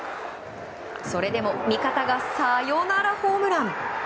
それでも味方がサヨナラホームラン。